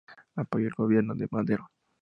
Apoyó al gobierno de Madero.